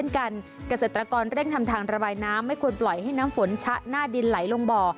เกษตรกรเร่งทำทางระบายน้ำไม่ควรปล่อยให้น้ำฝนชะหน้าดินไหลลงบ่อ